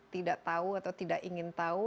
tidak tahu atau tidak ingin tahu